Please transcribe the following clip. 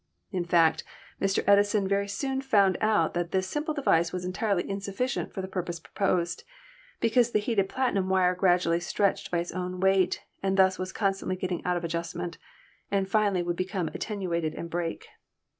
In fact, Mr. Edison very soon found out that this simple device was entirely insufficient for the purpose proposed, because the heated platinum wire gradually stretched by its own weight, and thus was constantly getting out of adjustment, and finally would become attenuated and break.